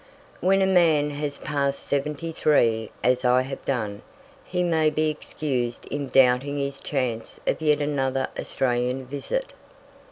When a man has passed seventy three, as I have done, he may be excused in doubting his chance of yet another Australian visit.